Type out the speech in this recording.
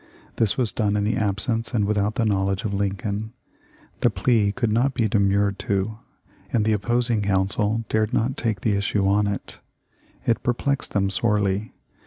This was done in the absence and without the knowledge of Lin coln. The plea could not be demurred to, and the opposing counsel dared not take the issue on it. It perplexed them sorely.